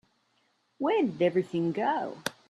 Where did everything go?